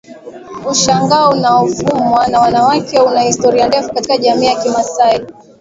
Ushanga unaofumwa na wanawake una historia ndefu katika jamii ya kimasai